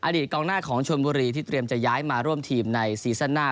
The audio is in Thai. กองหน้าของชนบุรีที่เตรียมจะย้ายมาร่วมทีมในซีซั่นหน้า